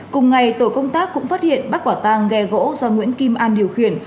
cùng ngày tổ công tác cũng phát hiện bắt quả tang ghe gỗ do nguyễn kim an điều khiển